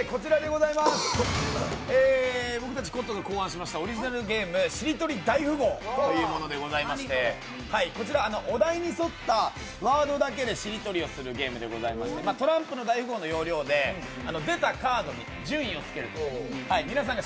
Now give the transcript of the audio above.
僕たちコットンが考案しましたオリジナルゲーム「しりとり大富豪」ということでございまして、こちらお題に沿ったワードだけでしりとりをするゲームでございましてトランプの大富豪の要領で出たカードに番号をつけていく。